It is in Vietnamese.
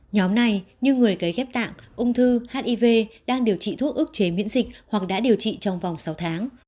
nhóm này như người cấy ghép tạng ung thư hiv đang điều trị thuốc ước chế miễn dịch hoặc đã điều trị trong vòng sáu tháng